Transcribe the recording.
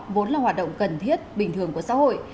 vốn là hoạt động cần thiết bình thường của xã hội